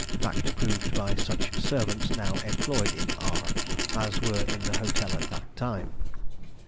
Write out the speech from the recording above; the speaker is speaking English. _Fact proved by such servants now employed in R as were in the hotel at that time.